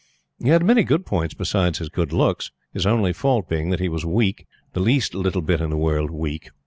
He had many good points besides his good looks; his only fault being that he was weak, the least little bit in the world weak.